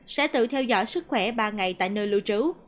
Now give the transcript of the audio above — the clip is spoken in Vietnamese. sẽ tự theo dõi sức khỏe ba ngày tại nơi lưu trú